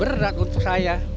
berat untuk saya